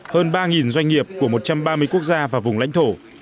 hơn ba doanh nghiệp của một trăm ba mươi quốc gia và vùng lãnh thổ